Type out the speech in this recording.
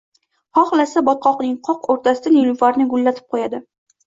Hohlasa, botqoqning qoq o’rtasida nilufarni gullatib qo’yadi.